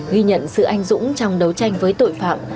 ghi nhận sự anh dũng trong đấu tranh với tội phạm